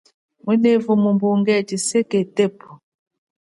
Ngunevu mumbunge chiseke tepu.